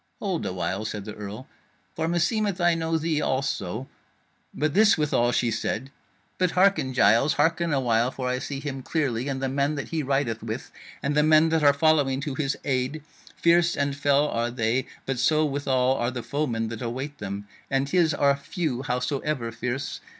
"Hold a while," said the carle, "for meseemeth I know thee also. But this withal she said: 'But hearken, Giles, hearken a while, for I see him clearly, and the men that he rideth with, and the men that are following to his aid, fierce and fell are they; but so withal are the foemen that await them, and his are few, howsoever fierce.